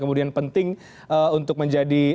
kemudian penting untuk menjadi